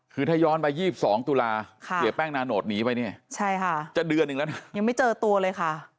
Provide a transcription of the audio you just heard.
คือถ้าย้อนไป๒๒ตุลาเสียแป้งนานโหดหนีไปเนี่ยจะเดือนนึงแล้วนะครับใช่ค่ะยังไม่เจอตัวเลยค่ะ